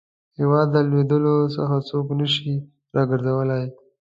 هیواد له لوېدلو څخه څوک نه شي را ګرځولای.